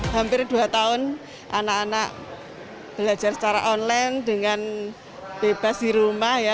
hampir dua tahun anak anak belajar secara online dengan bebas di rumah ya